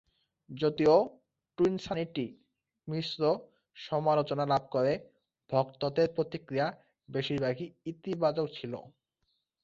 যদিও "টুইনসানিটি" মিশ্র সমালোচনা লাভ করে, ভক্তদের প্রতিক্রিয়া বেশিরভাগই ইতিবাচক ছিল।